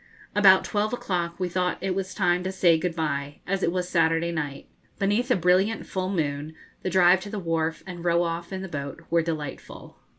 About twelve o'clock we thought it was time to say good bye, as it was Saturday night. Beneath a brilliant full moon the drive to the wharf and row off in the boat were delightful.